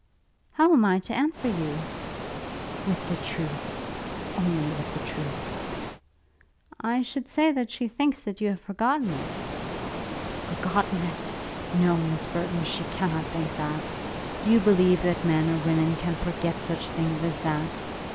"How am I to answer you?" "With the truth. Only with the truth." "I should say that she thinks that you have forgotten it." "Forgotten it! No, Miss Burton; she cannot think that. Do you believe that men or women can forget such things as that?